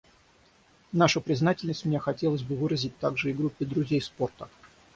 Нашу признательность мне хотелось бы выразить также и Группе друзей спорта.